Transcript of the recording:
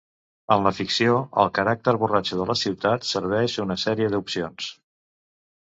En la ficció, el caràcter borratxo de la ciutat serveix una sèrie de opcions.